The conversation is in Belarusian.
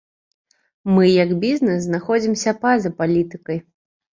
Мы, як бізнес, знаходзімся па-за палітыкай.